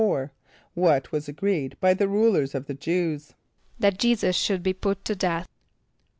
= What was agreed by the rulers of the Jew[s+]? =That J[=e]´[s+]us should be put to death.